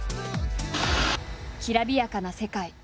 きらびやかな世界。